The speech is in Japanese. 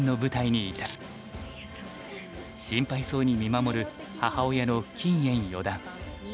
心配そうに見守る母親の金艶四段。